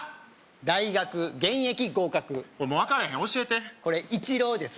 大学現役合格分からへん教えてこれイチローです